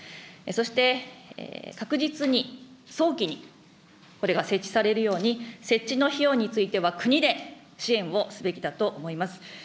そして確実に、早期にこれが設置されるように、設置の費用については、国で支援をすべきだと思います。